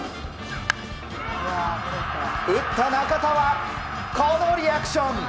打った中田はこのリアクション。